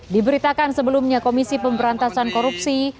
diberitakan sebelumnya komisi pemberantasan korupsi